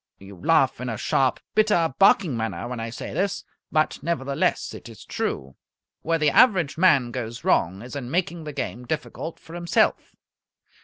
You laugh in a sharp, bitter, barking manner when I say this, but nevertheless it is true. Where the average man goes wrong is in making the game difficult for himself.